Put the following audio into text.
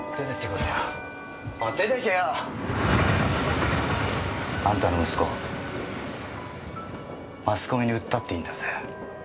おい出ていけよ。あんたの息子マスコミに売ったっていいんだぜ。